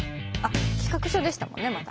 企画書でしたもんねまだ。